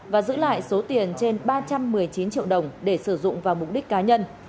và giữ lại số tiền trên ba trăm một mươi chín triệu đồng để sử dụng vào mục đích cá nhân